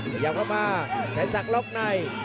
ขอยับเข้ามาแสนนสักหลอกใน